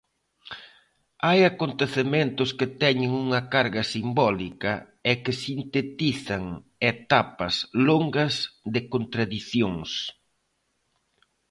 Hai acontecementos que teñen unha carga simbólica e que sintetizan etapas longas de contradicións.